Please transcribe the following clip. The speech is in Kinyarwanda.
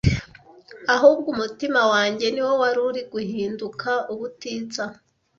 ahubwo umutima wanjye niwo wari uri guhinduka ubutitsa.